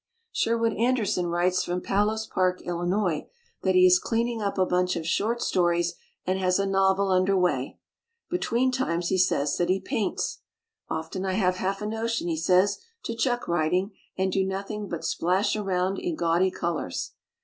Sherwood Anderson writes from Palos Park, Illinois, that he is "clean ing up a bunch of short stories" and has a novel under way. Between times he says that he paints. "Often I have half a notion", he says, "to chuck writ ing and do nothing but splash around in gaudy colors."